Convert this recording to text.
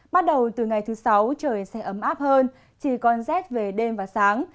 bắt đầu từ ngày thứ sáu trời sẽ ấm áp hơn chỉ còn rét về đêm và sáng